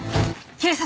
警察！？